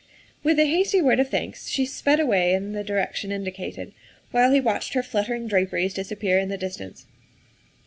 With a hasty word of thanks she sped away in the direction indicated, while he watched her fluttering draperies disappear in the distance.